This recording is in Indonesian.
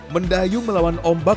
mendayung melawan ombak